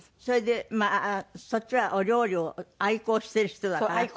それでそっちはお料理を愛好してる人だから。